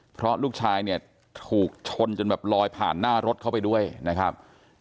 เพราะลูกชายเนี่ยถูกชนจนแบบลอยผ่านหน้ารถเข้าไปด้วยนะครับ